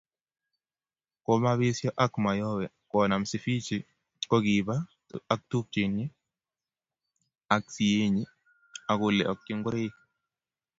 Komabesio ak mayowe konam Sifichi kokiba tupchenyi ak sienyi akolokchi ngoroik